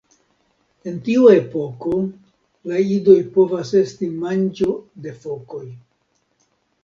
En tiu epoko la idoj povas esti manĝo de fokoj.